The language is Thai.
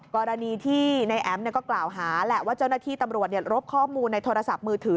กรณีที่นายแอ๋มก็กล่าวหาแหละว่าเจ้าหน้าที่ตำรวจรบข้อมูลในโทรศัพท์มือถือ